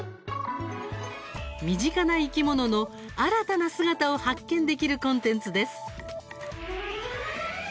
身近な生き物の新たな姿を発見できるコンテンツです。